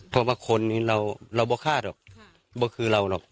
เพราะมันคนเราเราไม่ว่าฆ่าหรอกไม่คือเราหรอก